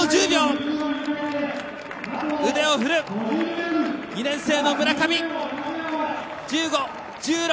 腕を振る２年生の村上。